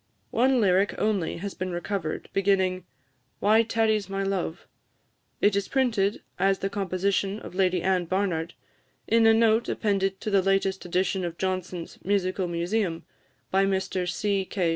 One lyric only has been recovered, beginning, "Why tarries my love?" It is printed as the composition of Lady Anne Barnard, in a note appended to the latest edition of Johnson's "Musical Museum," by Mr C. K.